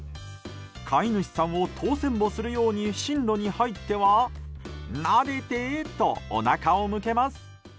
飼い主さんを通せんぼするように進路に入ってはなでてとおなかを向けます。